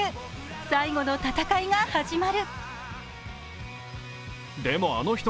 最後の戦いが始まる。